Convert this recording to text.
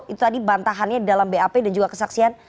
itu tadi bantahannya dalam bap dan juga kesaksian